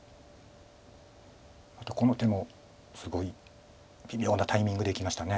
あとこの手もすごい微妙なタイミングでいきましたね。